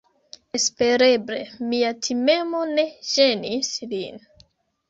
Espereble mia timemo ne ĝenis lin.